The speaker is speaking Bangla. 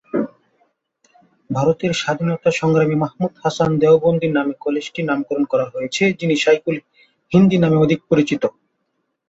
ভারতের স্বাধীনতা সংগ্রামী মাহমুদ হাসান দেওবন্দির নামে কলেজটির নামকরণ করা হয়েছে, যিনি ‘শায়খুল হিন্দ’ নামে অধিক পরিচিত।